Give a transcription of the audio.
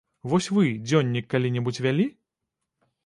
Вось вы дзённік калі-небудзь вялі?